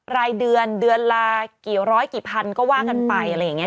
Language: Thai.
รายเดือนเดือนละกี่ร้อยกี่พันก็ว่ากันไปอะไรอย่างนี้